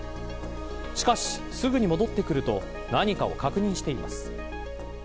しかし、すぐに戻ってくると何かを確認しています。